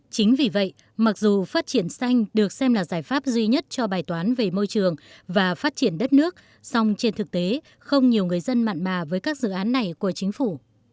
chính vì vậy mặc dù phát triển xanh được xem là giải pháp duy nhất cho bài toán về môi trường và phát triển đất nước song trên thực tế không nhiều người dân mặn mà với các dự án này của chính phủ